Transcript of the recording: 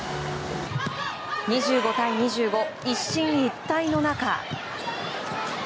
２５対２５、一進一退の中。